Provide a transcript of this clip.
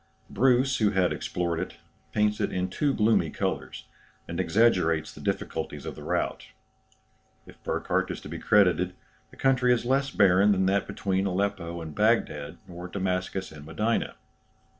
Bruce, who had explored it, paints it in too gloomy colours, and exaggerates the difficulties of the route. If Burckhardt is to be credited, the country is less barren than that between Aleppo and Bagdad, or Damascus and Medina.